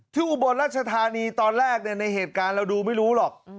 อุบลรัชธานีตอนแรกในเหตุการณ์เราดูไม่รู้หรอก